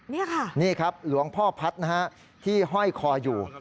นี่ค่ะนี่ครับหลวงพ่อพัฒน์นะฮะที่ห้อยคออยู่